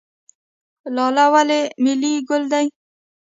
لاله ولې ملي ګل دی؟